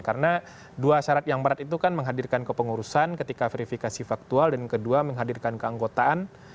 karena dua syarat yang berat itu kan menghadirkan kepengurusan ketika verifikasi faktual dan kedua menghadirkan keanggotaan